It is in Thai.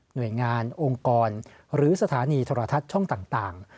หน่วยงานองค์กรหรือสถานีโทรทัศน์ช่องต่าง